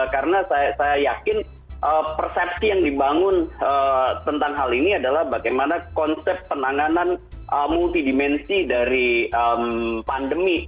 karena saya yakin persepsi yang dibangun tentang hal ini adalah bagaimana konsep penanganan multidimensi dari pandemi